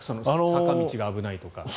坂道が危ないとか。